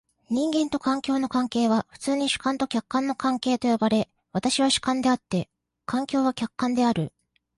人間と環境の関係は普通に主観と客観の関係と呼ばれ、私は主観であって、環境は客観である。